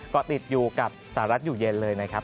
ก็ติดอยู่กับสหรัฐอยู่เย็นเลยนะครับ